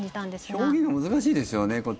表現が難しいですよね。